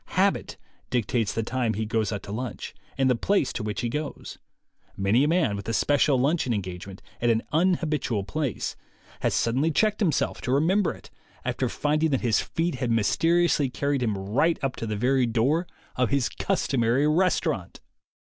Habit dictates the time he goes out to lunch, and the place to which he goes. Many a man with a special luncheon en gagement at an unhabitual place has suddenly checked himself to remember it, after finding that his feet had mysteriously carried him right up to the very door of his customary restaurant!